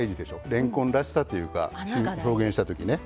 れんこんらしさというか表現したときにね。